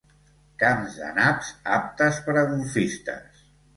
Camps de naps aptes per a golfistes.